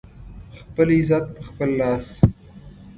خپل عزت په خپل لاس